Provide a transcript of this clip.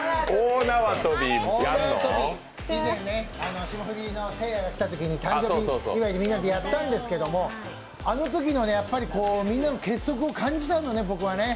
以前ね、霜降りのせいやが来たときに誕生日祝いでみんなでやったんですけど、あのときのみんなの結束を感じたんだよね、僕は。